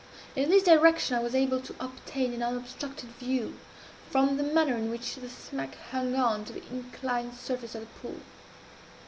In this direction I was able to obtain an unobstructed view, from the manner in which the smack hung on the inclined surface of the pool.